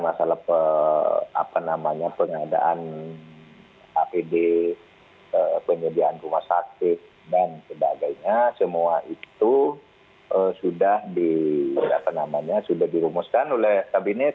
masalah pengadaan apd penyediaan rumah sakit dan sebagainya semua itu sudah dirumuskan oleh kabinet